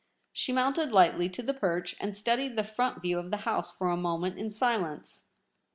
She mounted lightly to the perch, and studied the front view of the House for a moment in silence.